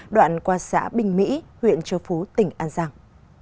đoạn qua xã bình mỹ huyện châu phú tỉnh an giang